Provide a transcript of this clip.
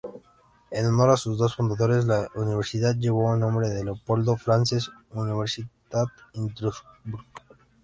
En honor a sus dos fundadores, la universidad lleva el nombre de "Leopold-Franzens-Universität Innsbruck".